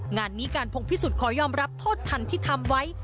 งานนี้การพงพิสุทธิ์ขอยอมรับโทษทันที่ทำไว้